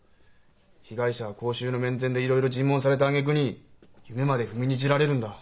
被害者は公衆の面前でいろいろ尋問されたあげくに夢まで踏みにじられるんだ。